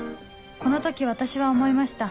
この時私は思いました